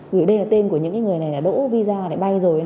gửi đây là tên của những người này đã đổ visa đã bay rồi